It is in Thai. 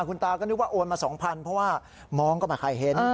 คุณตาก็นึกว่าโอนมา๒๐๐๐บาทเพราะว่ามองก็มาใครเห็น